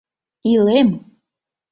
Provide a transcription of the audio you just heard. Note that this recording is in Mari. Илем!